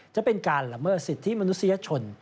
จะเป็นการละเมิดสิทธิมนุษยชน